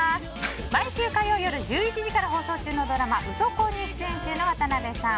毎週火曜夜１１時から放送中のドラマ「ウソ婚」に出演中の渡辺さん。